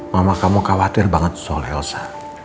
mama kamu khawatir banget soal elsa